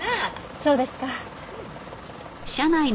そうですか。